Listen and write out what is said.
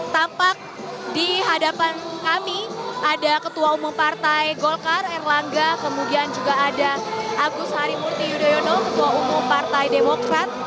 tampak di hadapan kami ada ketua umum partai golkar erlangga kemudian juga ada agus harimurti yudhoyono ketua umum partai demokrat